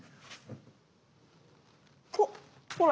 ほっほら！